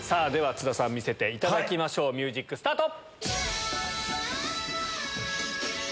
津田さん見せていただきましょうミュージックスタート！